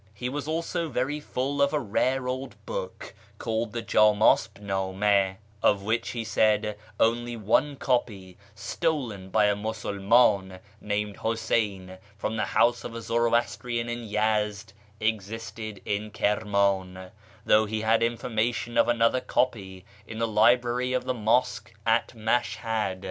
He was also very full of a rare old book called the Jdmdsjj ndma, of which he said only one copy, stolen by a Musulman named Huseyn from the house of a Zoroastrian in Yezd, existed in Kirman, though he had information of another copy in the library of the Mosque at Mashhad.